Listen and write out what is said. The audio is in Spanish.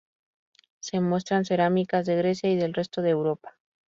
Se muestran cerámicas de Grecia y del resto de Europa.